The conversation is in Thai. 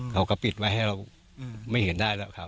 เขาก็ปิดไว้ให้เราไม่เห็นได้แล้วครับ